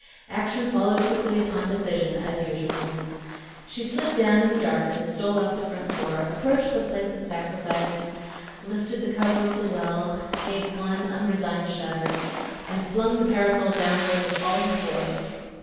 Action followed quickly upon decision, as usual. She slipped down in the darkness, stole out the front door, approached the place of sacrifice, lifted the cover of the well, gave one unresigned shudder, and flung the parasol downward with all her force.